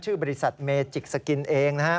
บริษัทเมจิกสกินเองนะฮะ